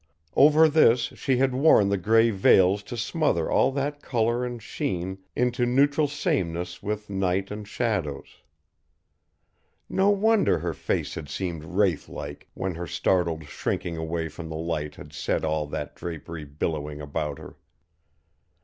Over this she had worn the gray veils to smother all that color and sheen into neutral sameness with night and shadows. No wonder her face had seemed wraith like when her startled shrinking away from the light had set all that drapery billowing about her.